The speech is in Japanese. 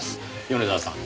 米沢さん。